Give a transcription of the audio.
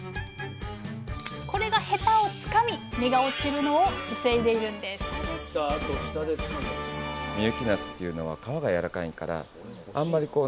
これがヘタをつかみ実が落ちるのを防いでいるんです深雪